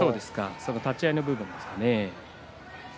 その立ち合いの部分ですかね。